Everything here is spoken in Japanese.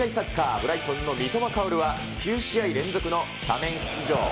ブライトンの三笘薫は、９試合連続のスタメン出場。